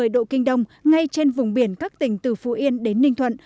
một trăm một mươi độ kinh đông ngay trên vùng biển các tỉnh từ phú yên đến ninh thuận